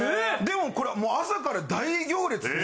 でもこれ朝から大行列で。